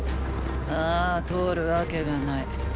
ああ通るわけがない。